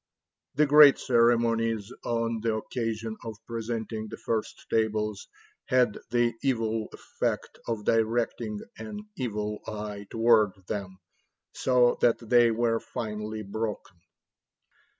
The great ceremonies on the occasion of presenting the first tables had the evil effect of directing an evil eye toward them, so that they were finally broken."